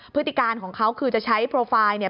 พฤติการของเขาคือจะใช้โปรไฟล์เนี่ย